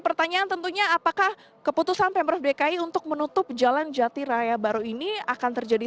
pertanyaan tentunya apakah keputusan pemprov dki untuk menutup jalan jati raya baru ini akan terjadi